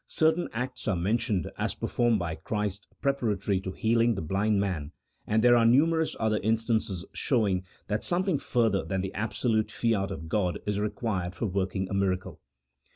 certain acts are men tioned as performed by Christ preparatory to healing the blind man, and there are numerous other instances show ing that something further than the absolute fiat of God is required for working a miracle.